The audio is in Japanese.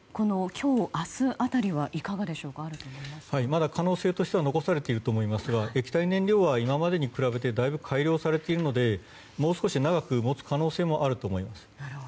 まだ可能性としては残されていると思いますが液体燃料は今までに比べてだいぶ改良されているのでもう少し長く持つ可能性もあると思います。